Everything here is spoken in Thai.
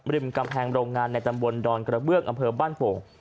ริมกำแพงโรงงานในตำบลดอนกระเบื้องอำเภอบ้านโป่ง